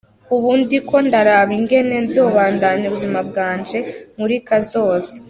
Ubu ndiko ndaraba ingene nzobandanya ubuzima bwanje muri kazoza.